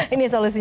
ini solusinya pak